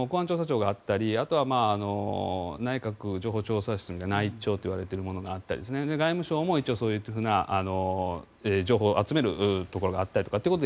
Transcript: あとは、内閣情報調査室みたいな内調といわれているものがあったり外務省も一応そういう情報を集めるところがあったりということで